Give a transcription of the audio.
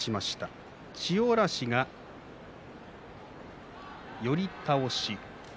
千代嵐が寄り倒し。